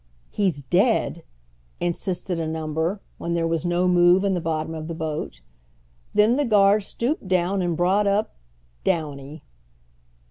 "He's dead!" insisted a number, when there was no move in the bottom of the boat. Then the guard stooped down and brought up Downy!